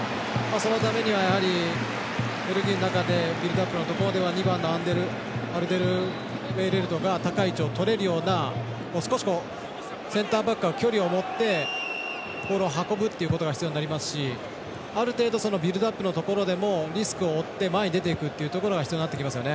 そのためには、ベルギーの中でビルドアップのところでは２番のアルデルウェイレルトが高い位置をとれるような少しセンターバックが距離をもってボールを運ぶということが必要になりますしある程度ビルドアップのところでもリスクを負って前に出てくるということが必要になってきますよね。